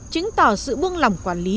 chứng tỏ sự buông lòng quản lý